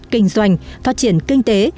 kinh doanh phát triển kinh tế